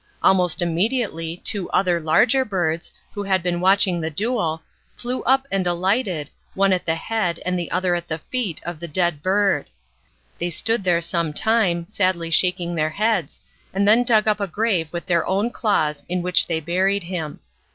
Almost immediately two other larger birds, who had been watching the duel, flew up and alighted, one at the head and the other at the feet of the dead bird. They stood there some time sadly shaking their heads, and then dug up a grave with their claws in which they buried him.